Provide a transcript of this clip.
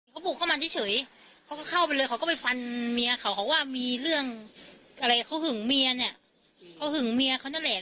เรื่องอะไรเขาหึงเมียเนี่ยเขาหึงเมียเขานั่นแหละ